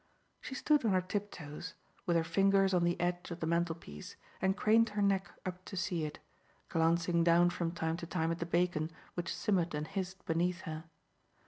She stood on her tiptoes, with her fingers on the edge of the mantelpiece, and craned her neck up to see it, glancing down from time to time at the bacon which simmered and hissed beneath her.